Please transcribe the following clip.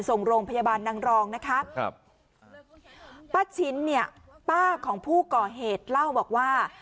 ส่งโรงพยาบาลนางรองนะคะครับป้าชิ้นเนี่ยป้าของผู้ก่อเหตุเล่าบอกว่า